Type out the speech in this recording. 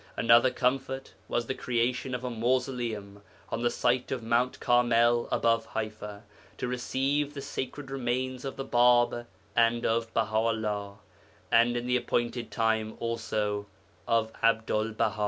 Another comfort was the creation of a mausoleum (on the site of Mt. Carmel above Haifa) to receive the sacred relics of the Bāb and of Baha 'ullah, and in the appointed time also of Abdul Baha.